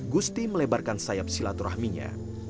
gusti melebarkan sayap silaturahminya